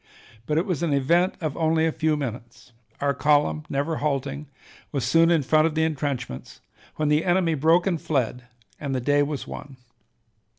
But it was an event of only a few minutes; our column, never halting, was soon in front of the intrenchments, when the enemy broke and fled, and the day was won.